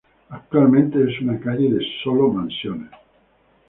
Actualmente es una calle de solo mansiones.